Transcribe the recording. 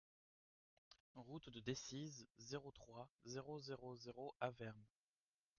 Route de Decize, zéro trois, zéro zéro zéro Avermes